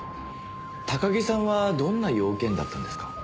高木さんはどんな用件だったんですか？